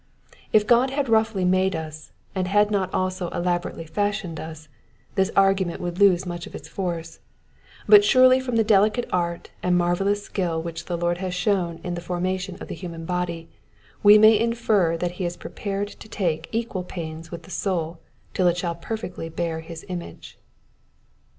If God had roughly made us, and had not also elaborately fashioned us, this argument would lose much of its force ; but surely from the delicate art and marvellous skill which the Lord has shown. in the formation of the human body, we may infer that he is prepared to take equal pains with the soul till it shall perfectly bear his image. Digitized by VjOOQIC 182 EXPOSITIOKS OF THE PSALMS.